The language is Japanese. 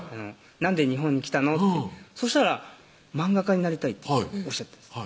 「なんで日本に来たの？」ってそしたら「漫画家になりたい」っておっしゃったんです